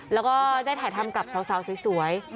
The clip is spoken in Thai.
แล้วก็ได้ถ่ายทำกับสาวสวย